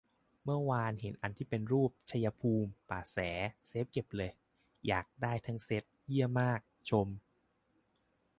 เมื่อวานเห็นอันที่เป็นรูป ชัยภูมิ ป่าแส เซฟเก็บเลย อยากได้ทั้งเซ็ต เหี้ยมาก ชม